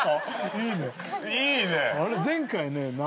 いいね！